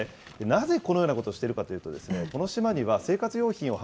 なぜこのようなことをしているかというと、この島には生活用品を